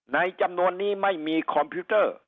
จำนวนนี้ไม่มีคอมพิวเตอร์